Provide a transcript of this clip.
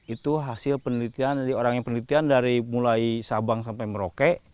itu hasil penelitian dari orang yang penelitian dari mulai sabang sampai merauke